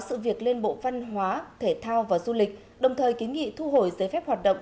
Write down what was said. sự việc lên bộ văn hóa thể thao và du lịch đồng thời kiến nghị thu hồi giấy phép hoạt động